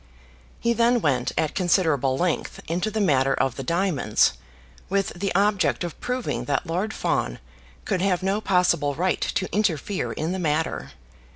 He then went, at considerable length, into the matter of the diamonds, with the object of proving that Lord Fawn could have no possible right to interfere in the matter.